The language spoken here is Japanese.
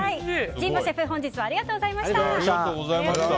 神保シェフ本日はありがとうございました。